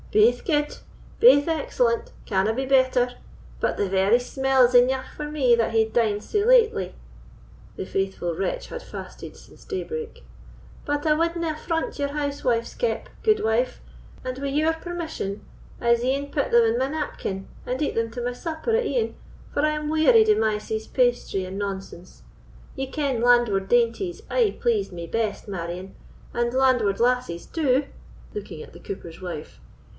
"Baith gude—baith excellent—canna be better; but the very smell is eneugh for me that hae dined sae lately (the faithful wretch had fasted since daybreak). But I wanda affront your housewifeskep, gudewife; and, with your permission, I'se e'en pit them in my napkin, and eat them to my supper at e'en, for I am wearied of Mysie's pastry and nonsense; ye ken landward dainties aye pleased me best, Marion, and landward lasses too (looking at the cooper's wife).